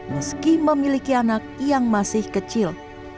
meski memiliki anak yang masih kecil